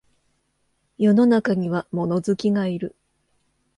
世の中には物好きがいる